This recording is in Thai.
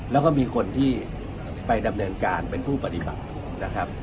แล้วก็มีคนที่ไปดำเนินการเป็นผู้ปฏิบัตินะครับ